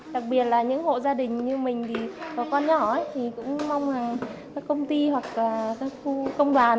đặc biệt là những hộ gia đình như mình thì có con nhỏ thì cũng mong là các công ty hoặc các khu công đoàn